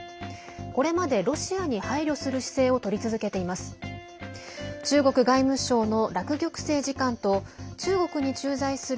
これまでロシアに配慮する姿勢をとり続けています。